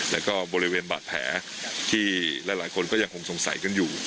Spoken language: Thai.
แล้วก็บริเวณบาดแผลที่หลายคนก็ยังคงสงสัยกันอยู่